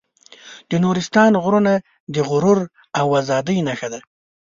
د نورستان غرونه د غرور او ازادۍ نښه ده.